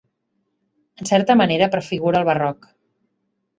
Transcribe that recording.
En certa manera prefigura el barroc.